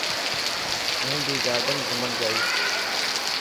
هون ڀهي گارڊن گھمڻ جائيس.